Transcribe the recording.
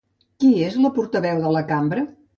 Qui és la portaveu de la cambra?